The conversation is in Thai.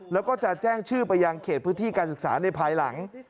แล้วก็จะแจ้งชื่อไปยังเขตพื้นที่การศึกษาในภายหลัง